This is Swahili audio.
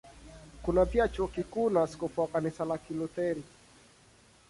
Kuna pia Chuo Kikuu na askofu wa Kanisa la Kilutheri.